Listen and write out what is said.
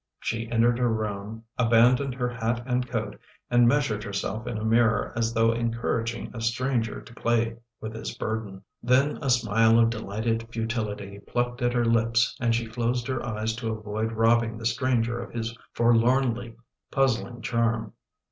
She en tered her room, abandoned her hat and coat, and meas ured herself in a mirror as though encouraging a stranger to play with his burden. Then a smile of delighted futil ity plucked at her lips and she closed her eyes to avoid robbing the stranger of his forlornly puzzling charm.